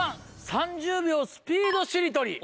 ３０秒スピードしりとり。